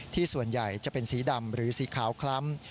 ส่วนใหญ่จะเป็นสีดำหรือสีขาวคล้ำ